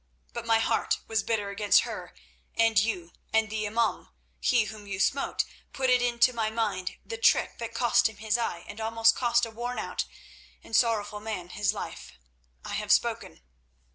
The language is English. But my heart was bitter against her and you, and the imaum, he whom you smote, put into my mind the trick that cost him his eye and almost cost a worn out and sorrowful man his life. I have spoken."